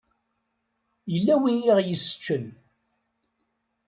Yella wi ɣ-yesseččen.